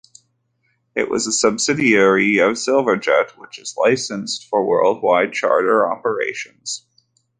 It was a subsidiary of Silverjet, which is licensed for worldwide charter operations.